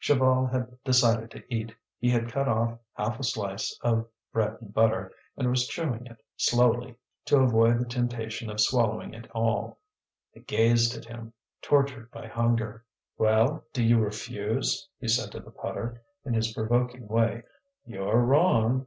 Chaval had decided to eat; he had cut off half a slice of bread and butter, and was chewing it slowly, to avoid the temptation of swallowing it all. They gazed at him, tortured by hunger. "Well, do you refuse?" he said to the putter, in his provoking way. "You're wrong."